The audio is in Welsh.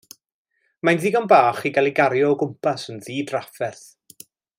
Mae'n ddigon bach i gael ei gario o gwmpas yn ddidrafferth.